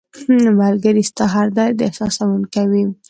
ملګری ستا هر درد احساسوونکی وي